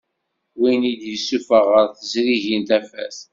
Win i d-yessuffeɣ ɣer tezrigin tafat.